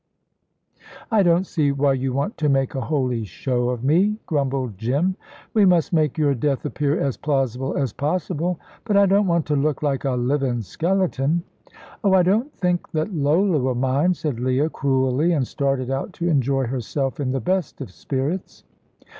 "I don't see why you want to make a holy show of me," grumbled Jim. "We must make your death appear as plausible as possible." "But I don't want to look like a livin' skeleton." "Oh, I don't think Lola will mind," said Leah, cruelly, and started out to enjoy herself in the best of spirits.